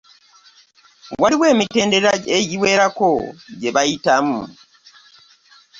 Waliwo emitendera egiwerako gye bayitamu.